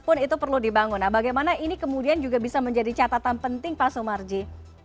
pun itu perlu dibangun nah bagaimana ini kemudian juga bisa menjadi catatan penting pak sumarji